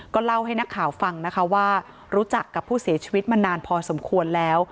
เล่าให้นักข่าวฟังนะคะว่ารู้จักกับผู้เสียชีวิตมานานพอสมควรแล้ว